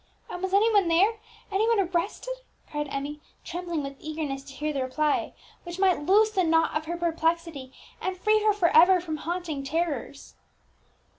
"And was any one there, any one arrested?" cried Emmie, trembling with eagerness to hear the reply, which might loose the knot of her perplexity, and free her for ever from haunting terrors.